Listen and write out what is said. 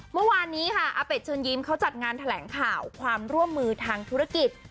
เมื่อวานนี้ค่ะอาเป็ดเชิญยิ้มเขาจัดงานแถลงข่าวความร่วมมือทางธุรกิจ